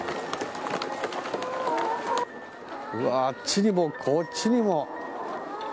あっちにも、こっちにも。